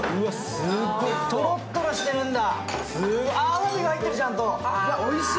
すっごい、とろっとろしてるんだ。